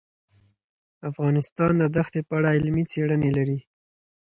افغانستان د دښتې په اړه علمي څېړنې لري.